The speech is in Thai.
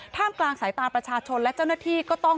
กลางสายตาประชาชนและเจ้าหน้าที่ก็ต้อง